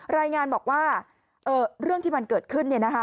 รายงานบอกว่าเรื่องที่มันเกิดขึ้น